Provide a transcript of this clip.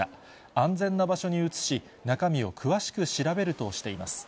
安全な場所に移し、中身を詳しく調べるとしています。